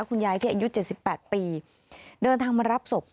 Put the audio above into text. คุณยายที่อายุ๗๘ปีเดินทางมารับศพ